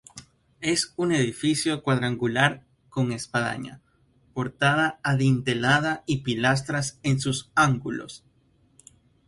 Es un edificio cuadrangular con espadaña, portada adintelada y pilastras en sus ángulos.